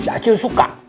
si acil suka